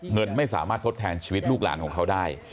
เงินไม่สามารถทดแทนชีวิตลูกหลานของเขาได้